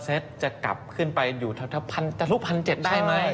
เซตจะกลับขึ้นไปอยู่แถวทะลุ๑๗๐๐ได้ไหม